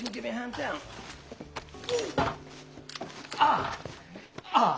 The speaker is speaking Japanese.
ああ！